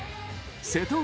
瀬戸内